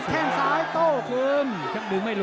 แหล่งขวาออกได้